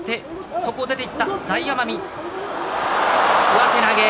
上手投げ